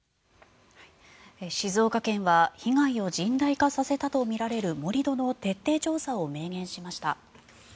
静岡県は被害を甚大化させたとみられる盛り土の徹底調査を明言しました。